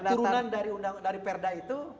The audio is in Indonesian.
ya turunan dari perda itu